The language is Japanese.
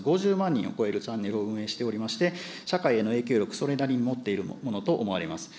人を超えるチャンネルを運営しておりまして、社会への影響力、それなりに持っているものと思われます。